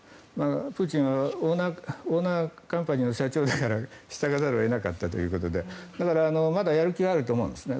プーチンはオーナーカンパニーの社長だから従わざるを得なかったということでだから、まだやる気はあると思うんですね。